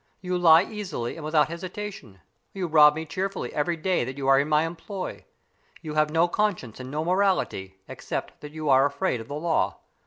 You lie easily and without hesitation; you rob me cheerfully every day that you are in my employ; you have no conscience and no morality, except that you are afraid of the law.